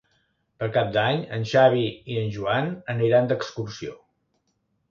Per Cap d'Any en Xavi i en Joan aniran d'excursió.